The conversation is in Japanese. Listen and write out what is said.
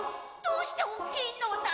どうしておっきいのだ？